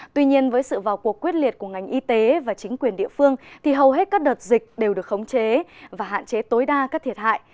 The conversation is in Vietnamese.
tuy nhiên với sự vào cuộc quyết liệt của ngành y tế và chính quyền địa phương thì hầu hết các đợt dịch đều được khống chế và hạn chế tối đa các thiệt hại